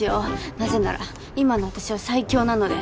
なぜなら今の私は最強なので。